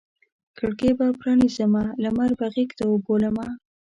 کړکۍ به پرانیزمه لمر به غیږته وبولمه